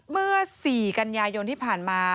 เมื่อสี่กัญญายนที่ผ่านมา